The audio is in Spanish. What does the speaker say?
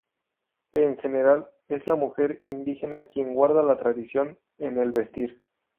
En general es la mujer indígena quien guarda la tradición en el vestir.